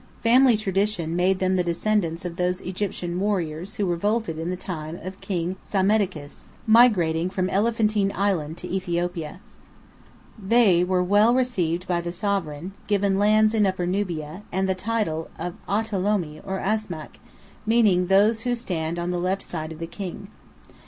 Family tradition made them the descendants of those Egyptian warriors who revolted in the time of King Psammetichus, migrating from Elephantine Island to Ethiopia. There they were well received by the sovereign, given lands in Upper Nubia, and the title of Autolomi, or Asmack, meaning "Those who stand on the left side of the King."